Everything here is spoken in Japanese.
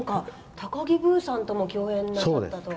高木ブーさんとも共演なさったと。